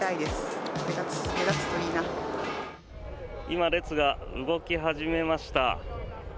今、列が動き始めました。